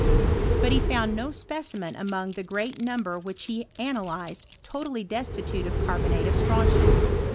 ; but he found no specimen among the great miimber which he analyzed totally destitute of carbo jiate of strontian.